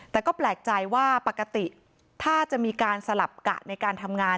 แต่ก็แปลกใจว่าปกติถ้าจะมีการสลับกะในการทำงาน